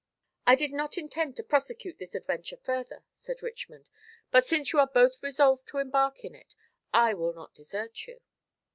"I did not intend to prosecute this adventure further," said Richmond; "but since you are both resolved to embark in it, I will not desert you."